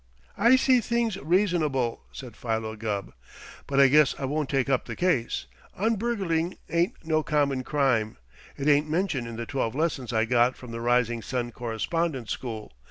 "I see things reasonable," said Philo Gubb. "But I guess I won't take up the case; un burgling ain't no common crime. It ain't mentioned in the twelve lessons I got from the Rising Sun Correspondence School.